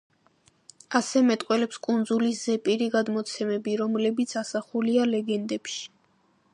ასე მეტყველებს კუნძულის ზეპირი გადმოცემები, რომლებიც ასახულია ლეგენდებში.